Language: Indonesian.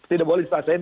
tidak boleh diselesaikan